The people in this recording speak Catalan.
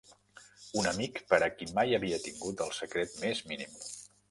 Un amic, per a qui mai havia tingut el secret més mínim